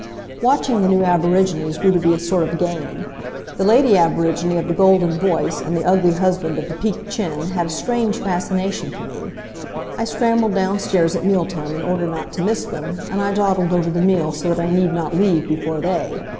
Watching the new aborigines grew to be a sort of game. The lady aborigine of the golden voice, and the ugly husband of the peaked chin had a strange fascination for me. I scrambled downstairs at meal time in order not to miss them, and I dawdled over the meal so that I need not leave before they.